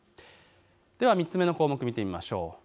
では３つ目の項目見てみましょう。